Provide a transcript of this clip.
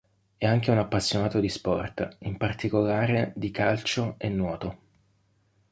È anche un appassionato di sport, in particolare di calcio e nuoto.